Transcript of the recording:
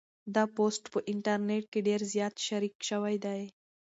دا پوسټ په انټرنيټ کې ډېر زیات شریک شوی دی.